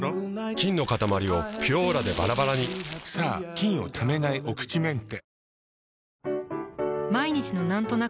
菌のかたまりを「ピュオーラ」でバラバラにさぁ菌をためないお口メンテ。